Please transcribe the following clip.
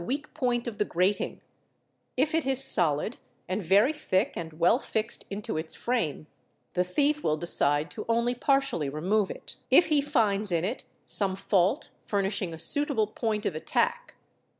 weak point of the grating; if it is solid and very, thick and well fixed into its frame, the thief will decide to only partially remove it, if he finds in it some fault furnishing a suitable point of attack.